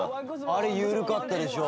あれゆるかったでしょ？